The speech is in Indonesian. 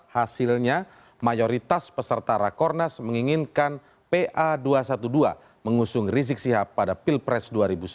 hasilnya mayoritas peserta rakornas menginginkan pa dua ratus dua belas mengusung rizik sihab pada pilpres dua ribu sembilan belas